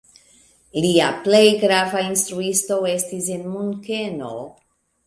Lia plej grava instruisto estis en Munkeno.